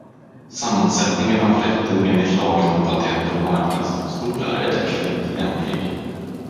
Sammansättningen av rätten enligt lagen om patent- och marknadsdomstolar är därför inte lämplig.